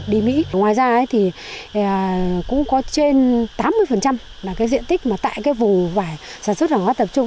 đi mỹ ngoài ra cũng có trên tám mươi là diện tích tại vùng vải sản xuất hàng hóa tập trung